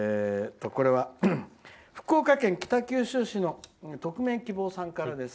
福岡県北九州市の匿名希望さんからです。